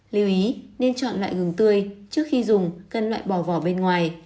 lưu ý nên chọn loại gừng tươi trước khi dùng cần loại bỏ vỏ bên ngoài